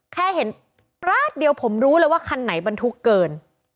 แค่เห็นป๊าดเดียวผมรู้เลยว่าคันไหนบรรทุกเกิน